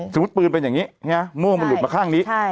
ปืนเป็นอย่างนี้โม่มันหลุดมาข้างนี้